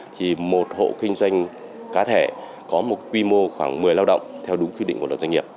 thì một hộ kinh doanh cá thể có một quy mô khoảng một mươi lao động theo đúng quy định của luật doanh nghiệp